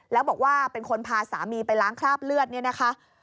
แล้วบอกว่าเป็นคนพาสามีไปล้างคราบเลือดเนี่ยนะคะ